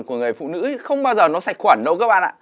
của người phụ nữ không bao giờ nó sạch khuẩn đâu